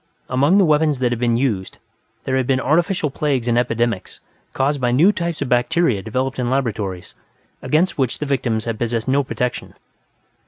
Among the weapons that had been used, there had been artificial plagues and epidemics, caused by new types of bacteria developed in laboratories, against which the victims had possessed no protection.